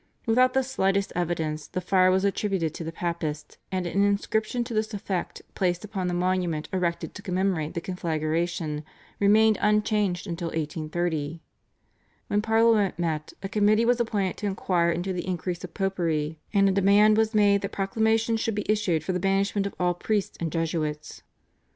Without the slightest evidence the fire was attributed to the Papists, and an inscription to this effect placed upon the monument erected to commemorate the conflagration remained unchanged until 1830. When Parliament met a committee was appointed to inquire into the increase of popery, and a demand was made that proclamations should be issued for the banishment of all priests and Jesuits.